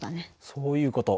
そういう事。